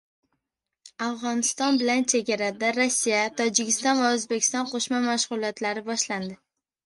Afg‘oniston bilan chegarada Rossiya, Tojikiston va O‘zbekiston qo‘shma mashg‘ulotlari boshlandi